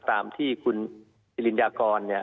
ตามที่คุณสิริยากร